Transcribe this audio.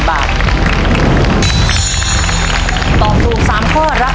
คำเอกในโครงสี่สุภาพ